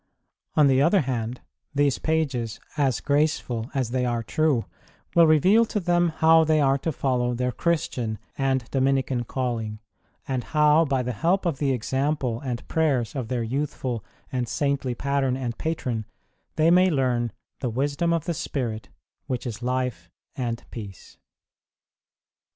On the other hand, these pages, as graceful as they are true, will reveal to them how they are to follow their Christian and Dominican calling, and how by the help of the example and prayers of their youthful and saintly pattern and patron, they may learn the wisdom of the spirit, which is life and peace.